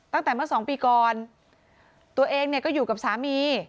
ตั้งแต่เมื่อ๒ปีก่อนตัวเองก็อยู่กับสามี